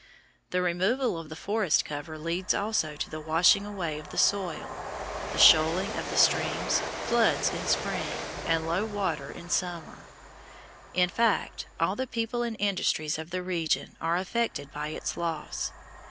The removal of the forest cover leads also to the washing away of the soil, the shoaling of the streams, floods in spring, and low water in summer. In fact, all the people and industries of the region are affected by its loss.